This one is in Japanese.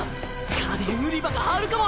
家電売り場があるかも！